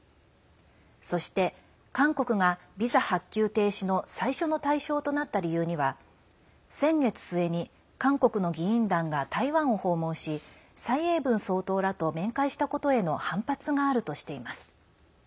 そして、韓国がビザ発給停止の最初の対象となった理由には先月末に韓国の議員団が台湾を訪問し蔡英文総統らと面会したことへの反発があるとしています。